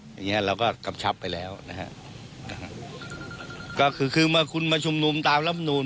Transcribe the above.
อย่างเงี้ยเราก็กำชับไปแล้วนะฮะก็คือคือเมื่อคุณมาชุมนุมตามลำนูล